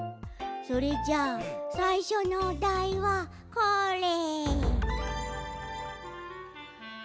それじゃあさいしょのおだいはこれ。